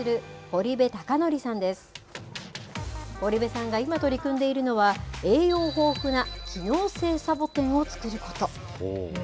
堀部さんが今取り組んでいるのは、栄養豊富な機能性サボテンを作ること。